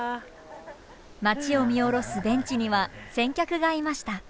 街を見下ろすベンチには先客がいました。